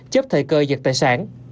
chấp thời cơ giật tài sản